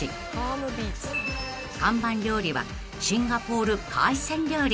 ［看板料理はシンガポール海鮮料理］